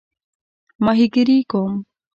ماهیګیري کوم؟